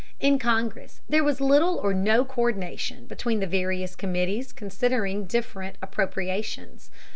In Congress there was little or no co÷rdination between the various committees considering different appropriations.